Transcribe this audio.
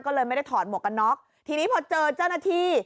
ก็เลยไม่ได้ถอดหมวกกันน็อกทีนี้พอเจอเจ้าหน้าที่